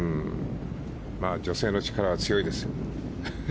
女性の力は強いです。